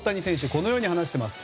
このように話しています。